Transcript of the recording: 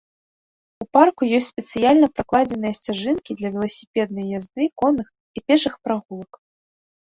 У парку ёсць спецыяльна пракладзеныя сцяжынкі для веласіпеднай язды, конных і пешых прагулак.